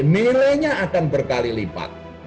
mele nya akan berkali lipat